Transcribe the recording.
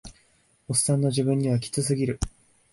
オッサンの自分にはキツすぎる